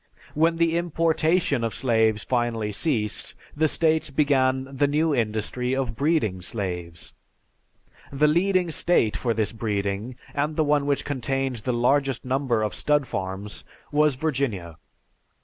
When the importation of slaves finally ceased the states began the new industry of breeding slaves; the leading state for this breeding, and the one which contained the largest number of stud farms, was Virginia.